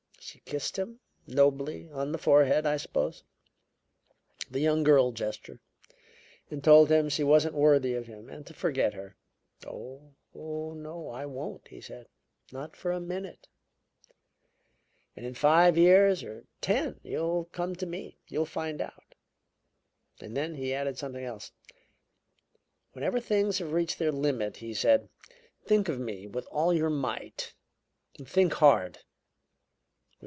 She kissed him nobly on the forehead, I suppose the young girl gesture; and told him she wasn't worthy of him and to forget her. "'Oh, no, I won't,' he said. 'Not for a minute! And in five years or ten you'll come to me. You'll find out.' And then he added something else: 'Whenever things have reached their limit,' he said, 'think of me with all your might. Think hard!